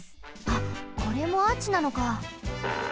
あこれもアーチなのか。